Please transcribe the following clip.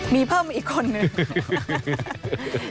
มีเพิ่มอีกคนหนึ่ง